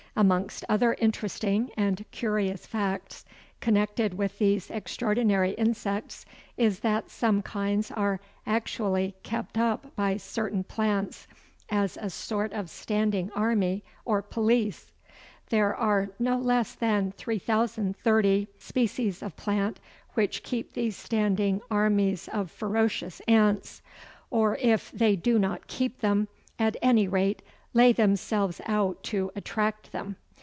Amongst other interesting and curious facts connected with these extraordinary insects is that some kinds are actually kept up by certain plants as a sort of standing army or police. There are no less than 3030 species of plant which keep these standing armies of ferocious ants, or if they do not keep them, at any rate lay themselves out to attract them.